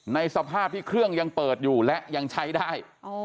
ในสภาพที่เครื่องยังเปิดอยู่และยังใช้ได้